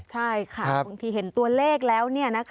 ใช่ค่ะบางทีเห็นตัวเลขแล้ว